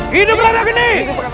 tidak ada yang bisa dianggap